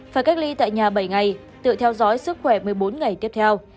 phải cách ly tại nhà bảy ngày tự theo dõi sức khỏe một mươi bốn ngày tiếp theo